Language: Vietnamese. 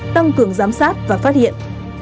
tăng cường giám sát và phát hiện